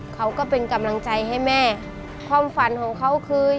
รายการต่อไปนี้เป็นรายการทั่วไปสามารถรับชมได้ทุกวัย